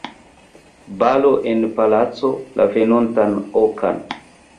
Balo en la palaco, la venontan okan.